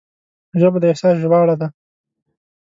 ژبه د احساس ژباړه ده